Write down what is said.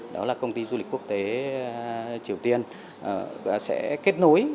đó là công ty du lịch quốc tế triều tiên sẽ kết nối